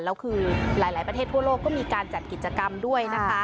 แล้วคือหลายประเทศทั่วโลกก็มีการจัดกิจกรรมด้วยนะคะ